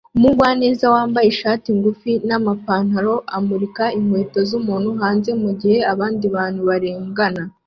Umugwaneza wambaye ishati ngufi n'amapantaro amurika inkweto z'umuntu hanze mugihe abandi bantu barengana